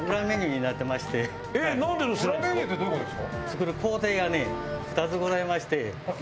裏メニューってどういう事ですか？